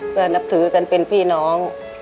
เพื่อนับถือกันเป็นพี่น้อง